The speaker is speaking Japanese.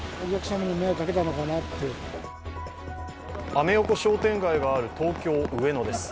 アメ横商店街がある東京・上野です。